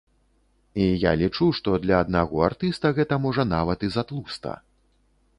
І я лічу, што для аднаго артыста гэта можа нават і затлуста.